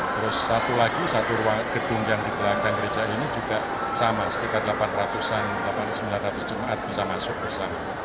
terus satu lagi satu gedung yang di belakang gereja ini juga sama sekitar delapan ratus sembilan ratus jemaat bisa masuk bersama